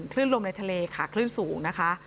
๑คลื่นลมในทะเลค่ะคลื่นสูงนะคะ